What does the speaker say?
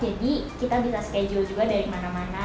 jadi kita bisa schedule juga dari mana mana